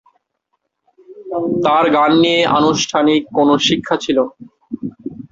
তার গান নিয়ে আনুষ্ঠানিক কোনো শিক্ষা ছিল না।